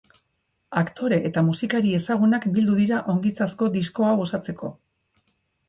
Aktore eta musikari ezagunak bildu dira ongintzazko disko hau osatzeko.